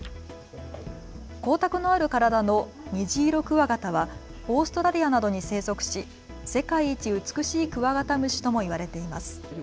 光沢のある体のニジイロクワガタはオーストラリアなどに生息し、世界一美しいクワガタムシとも言われています。